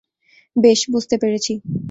বেশ, বুঝতে পেরেছি।